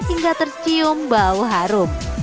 hingga tercium bau harum